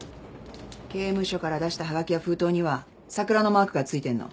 刑務所から出したはがきや封筒には桜のマークが付いてんの。